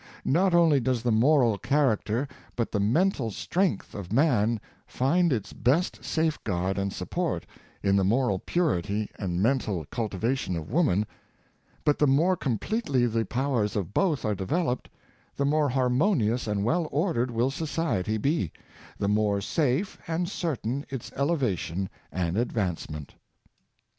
Not only does the moral character but the mental strength of man find its best safeguard and support in the moral purity and mental cultivation of woman; but the more completely the powers of both are developed, the more harmonious and well ordered will society be — the more safe and certain its elevation and advancement.